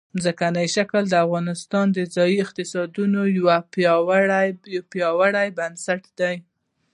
ځمکنی شکل د افغانستان د ځایي اقتصادونو یو پیاوړی بنسټ دی.